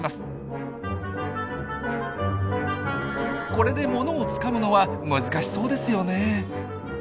これで物をつかむのは難しそうですよねえ。